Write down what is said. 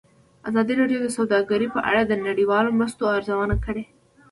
ازادي راډیو د سوداګري په اړه د نړیوالو مرستو ارزونه کړې.